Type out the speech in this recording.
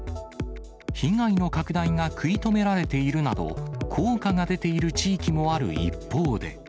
被害の拡大が食い止められているなど、効果が出ている地域もある一方で。